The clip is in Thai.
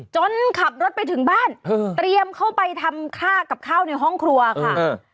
จนขับรถไปถึงบ้านเตรียมเข้าไปทำค่ากับข้าวในห้องครัวค่ะ